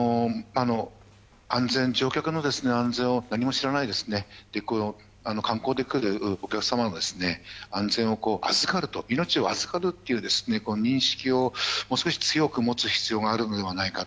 乗客の安全を何も知らない観光で来るお客様の安全を預かると命を預かるという認識をもう少し強く持つ必要があるのではないか。